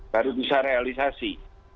baru bisa realisasi